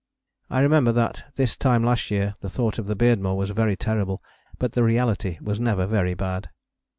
I remember that this time last year the thought of the Beardmore was very terrible: but the reality was never very bad."